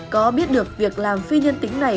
có biết được việc làm phi nhân tính này